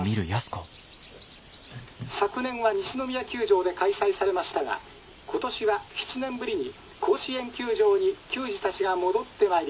昨年は西宮球場で開催されましたが今年は７年ぶりに甲子園球場に球児たちが戻ってまいりました」。